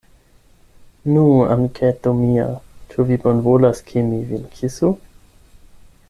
Nu, amiketo mia, ĉu vi bonvolas, ke mi vin kisu?